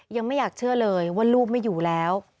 ยังไม่อยากเชื่อเลยว่าลูกไม่อยู่แล้ว